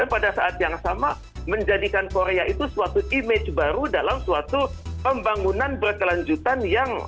pada saat yang sama menjadikan korea itu suatu image baru dalam suatu pembangunan berkelanjutan yang